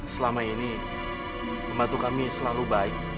selama ini membantu kami selalu baik